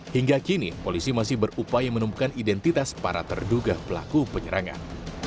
hingga kini polisi masih berupaya menemukan identitas para terduga pelaku penyerangan